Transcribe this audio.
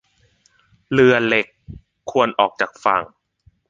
เรือเหล็กควรออกจากฝั่ง